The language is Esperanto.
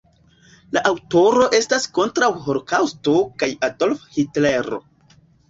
La aŭtoro estas kontraŭ holokaŭsto kaj Adolfo Hitlero.